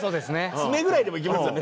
爪ぐらいでもいきますよね